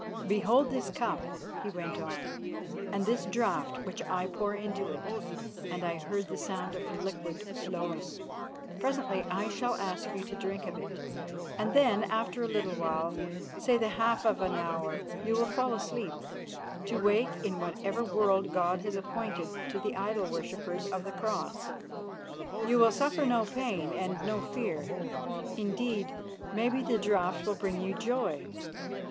"Behold this cup," he went on, "and this draught which I pour into it," and I heard the sound of liquid flowing. "Presently I shall ask you to drink of it, and then, after a little while, say the half of an hour, you will fall asleep, to wake in whatever world God has appointed to the idol worshippers of the Cross. You will suffer no pain and no fear; indeed, maybe the draught will bring you joy."